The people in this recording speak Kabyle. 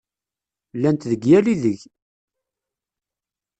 Llant deg yal ideg!